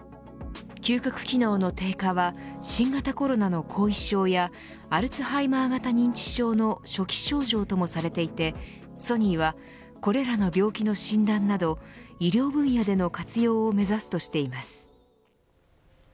嗅覚機能の低下は新型コロナの後遺症やアルツハイマー型認知症の初期症状ともされていてソニーはこれらの病気の診断など医療分野での活用を目指すとしています。